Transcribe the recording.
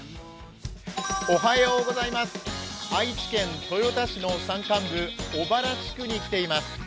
おはようございます、愛知県豊田市の山間部、小原地区に来ています。